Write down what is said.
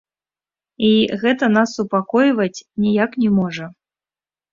І гэта нас супакойваць ніяк не можа.